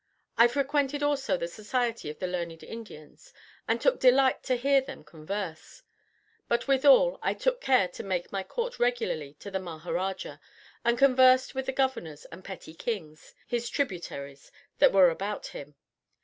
I frequented also the society of the learned Indians, and took delight to hear them converse; but withal, I took care to make my court regularly to the Maharaja, and conversed with the governors and petty kings, his tributaries, that were about him.